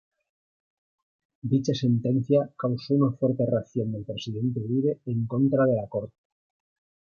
Dicha sentencia causó una fuerte reacción del Presidente Uribe en contra de la Corte.